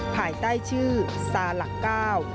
ภายใต้ชื่อซาหลักเก้า